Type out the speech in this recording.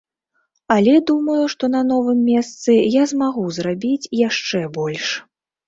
Але думаю, што на новым месцы я змагу зрабіць яшчэ больш.